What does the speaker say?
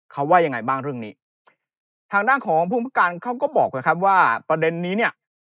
เขาว่ายังไงบ้างเรื่องนี้ทางด้านของภูมิประการเขาก็บอกนะครับว่าประเด็นนี้เนี่ย